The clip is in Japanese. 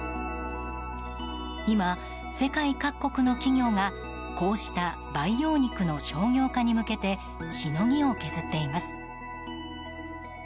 今、世界各国の企業がこうした培養肉の商業化に向けてしのぎを削っています。